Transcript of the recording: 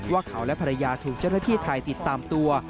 ว่าเขาและภรรยาถูกเจ้าหน้าที่ไทยติดตามตัว